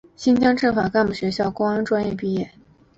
新疆政法干部学校公安专业毕业。